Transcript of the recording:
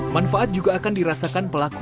manfaat juga akan dirasakan pelaku